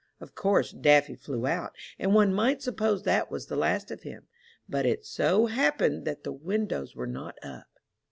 Of course Daffy flew out, and one might suppose that was the last of him; but it so happened that the windows were not up.